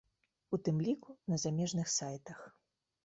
У тым ліку на замежных сайтах.